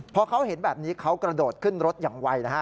พอเขาเห็นแบบนี้เขากระโดดขึ้นรถอย่างไวนะฮะ